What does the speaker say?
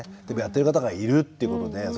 でもやってる方がいるっていうことで。